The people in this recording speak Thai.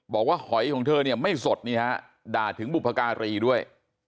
บอกว่าหอยของเธอไม่สดนี่ฮะด่าถึงบุภการีด้วย